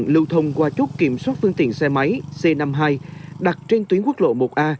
lưu thông qua chốt kiểm soát phương tiện xe máy c năm mươi hai đặt trên tuyến quốc lộ một a